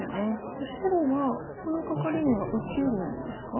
じゃあ白はこのカカリには受けるんですか？